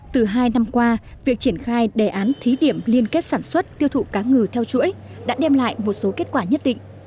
từ hai năm qua việc triển khai đề án thí điểm liên kết sản xuất tiêu thụ cá ngừ theo chuỗi đã đem lại một số kết quả nhất định